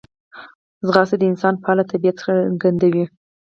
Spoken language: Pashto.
منډه د انسان فعاله طبیعت څرګندوي